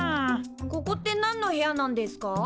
ここってなんの部屋なんですか？